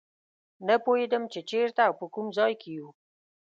نه پوهېدم چې چېرته او په کوم ځای کې یو.